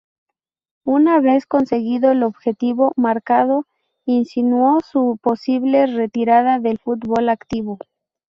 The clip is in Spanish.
Una vez conseguido el objetivo marcado insinuó su posible retirada del fútbol activo.